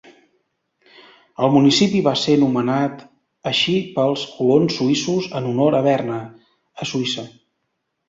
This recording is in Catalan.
El municipi va ser nomenat així pels colons suïssos en honor a Berna, a Suïssa.